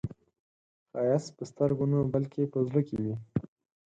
ښایست په سترګو نه، بلکې په زړه کې وي